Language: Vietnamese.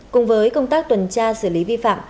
cùng với công tác tuần tra xử lý vi phạm